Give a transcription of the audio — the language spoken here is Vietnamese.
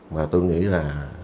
mà tôi nghĩ là